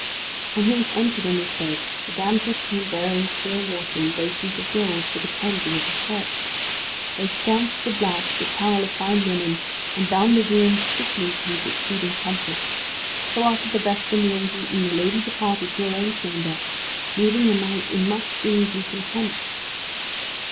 When he was entered in this bed, the damsels came bearing clear water in basins of gold, for the cleansing of his hurt. They stanched the blood with a towel of fine linen, and bound the wound strictly, to his exceeding comfort. So after the vesper meal was eaten, the lady departed to her own chamber, leaving the knight in much ease and content.